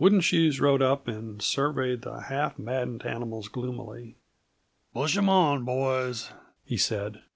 Wooden Shoes rode up and surveyed the half maddened animals gloomily. "Push 'em on, boys," he said.